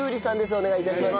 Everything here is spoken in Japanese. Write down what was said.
お願い致します。